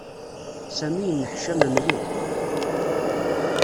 Sami yenneḥcam mliḥ.